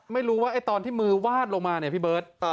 ไม่รู้ว่าตอนที่มือวาดลงมาเนี่ยพี่เบิร์ต